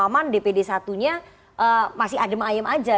pak maman dpd satu nya masih adem ayem aja